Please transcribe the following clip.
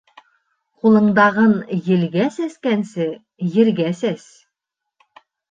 Ҡулыңдағын елгә сәскәнсә, ергә сәс.